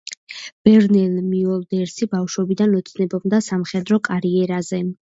ვერნერ მიოლდერსი ბავშვობიდან ოცნებობდა სამხედრო კარიერაზე.